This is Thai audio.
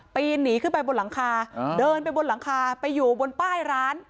ปีนหนีขึ้นไปบนหลังคาเดินไปบนหลังคาไปอยู่บนป้ายร้าน